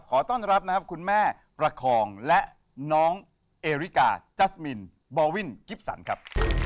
ขอต้อนรับนะครับคุณแม่ประคองและน้องเอริกาจัสมินบอลวินกิฟสันครับ